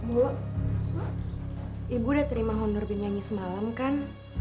bu ibu udah terima honor binyanyi semalam kan